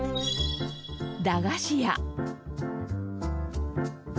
駄菓子や。